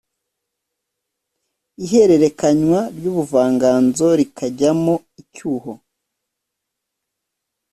ihererekanywa ry’ubuvanganzo rikajyamo icyuho